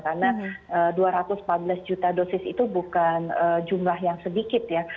karena dua ratus empat belas juta dosis itu bukan jumlah yang sedikit ya